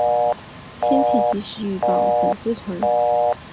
天气即时预报粉丝团